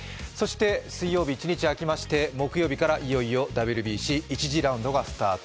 水曜日一日あきまして木曜日からいよいよＷＢＣ・１次ラウンドがスタート。